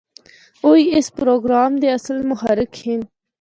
اوہی اس پروگرام دے اصل محرک ہن۔